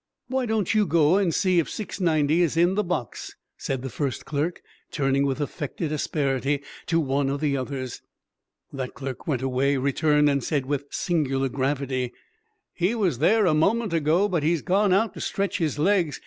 "Why don't you go and see if 690 is in the box?" said the first clerk, turning with affected asperity to one of the others. The clerk went away, returned, and said with singular gravity, "He was there a moment ago, but he's gone out to stretch his legs.